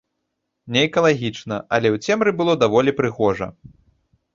Неэкалагічна, але ў цемры было даволі прыгожа.